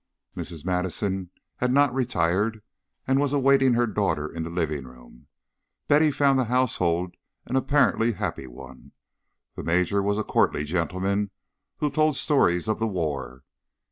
Mrs. Madison had not retired and was awaiting her daughter in the living room. Betty found the household an apparently happy one. The Major was a courtly gentleman who told stories of the war.